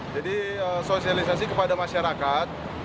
jadi sosialisasi kepada masyarakat